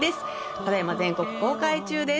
ただいま全国公開中です。